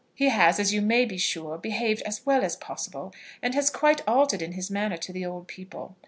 He has, as you may be sure, behaved as well as possible, and has quite altered in his manner to the old people.